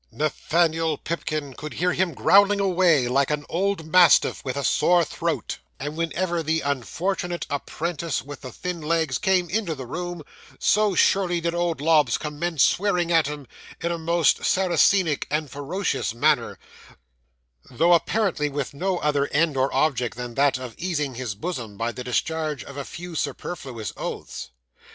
Nathaniel Pipkin could hear him growling away like an old mastiff with a sore throat; and whenever the unfortunate apprentice with the thin legs came into the room, so surely did old Lobbs commence swearing at him in a most Saracenic and ferocious manner, though apparently with no other end or object than that of easing his bosom by the discharge of a few superfluous oaths.